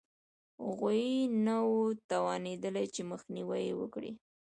غوی نه وو توانېدلي چې مخنیوی یې وکړي